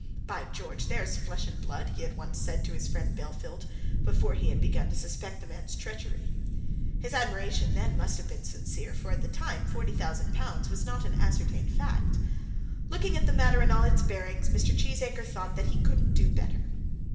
"By George! there's flesh and blood," he had once said to his friend Bellfield before he had begun to suspect that man's treachery. His admiration must then have been sincere, for at that time the forty thousand pounds was not an ascertained fact. Looking at the matter in all its bearings Mr. Cheesacre thought that he couldn't do better.